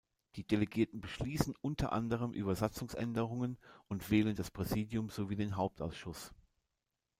Die Delegierten beschließen unter anderem über Satzungsänderungen und wählen das Präsidium sowie den Hauptausschuss.